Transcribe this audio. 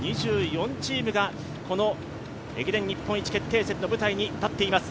２４チームが駅伝日本一決定戦の舞台に立っています。